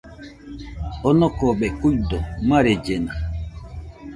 Onokobe kuido, marellena